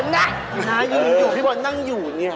น่าอยู่พี่บอสนั่งอยู่นี่